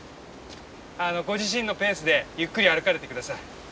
ご自身のペースでゆっくり歩かれて下さい。